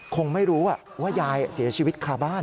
คงไม่รู้ว่ายายเสียชีวิตคาบ้าน